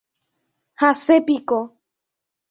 hasẽpiko